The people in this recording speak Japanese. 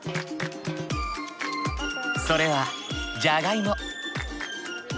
それはじゃがいも。